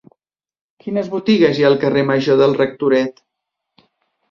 Quines botigues hi ha al carrer Major del Rectoret?